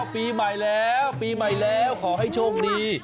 ปีใหม่แล้วปีใหม่แล้วขอให้โชคดี